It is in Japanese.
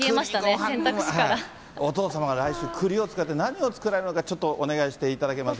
お父様が来週何を作られるのか、ちょっとお願いしていただけます